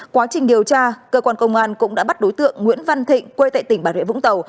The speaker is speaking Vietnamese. quá trình điều tra cơ quan công an cũng đã bắt đối tượng nguyễn văn thịnh quê tại tỉnh bà rịa vũng tàu